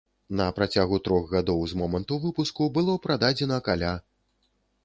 На працягу трох гадоў з моманту выпуску было прададзена каля.